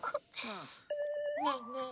ねえねえ。